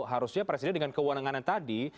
harusnya presiden dengan kewenangan tadi